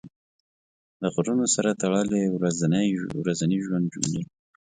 د غرونو سره تړلې ورځني ژوند جملې